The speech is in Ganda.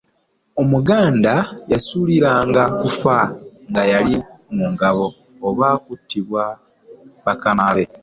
Omuganda yasuliranga kufa nga ali mu ngabo, oba kuttibwa bakama be.